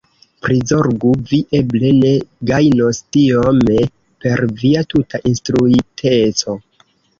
Prizorgu! Vi eble ne gajnos tiome per via tuta instruiteco.